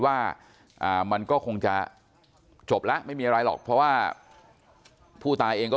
ว่ามันก็คงจะจบแล้วไม่มีอะไรหรอกเพราะว่าผู้ตายเองก็